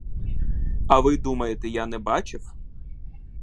А ви думаєте, я не бачив?